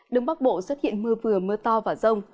đứng bắc bộ xuất hiện mưa vừa mưa to và rông